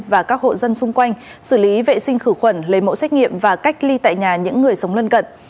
và các hộ dân xung quanh xử lý vệ sinh khử khuẩn lấy mẫu xét nghiệm và cách ly tại nhà những người sống lân cận